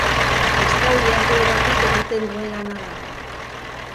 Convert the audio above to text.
Kristau jardueratik egiten duen lana da.